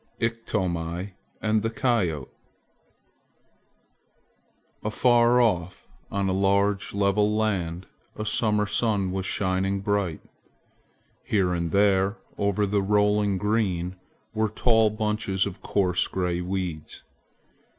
IKTOMI AND THE COYOTE AFAR off upon a large level land, a summer sun was shining bright. Here and there over the rolling green were tall bunches of coarse gray weeds.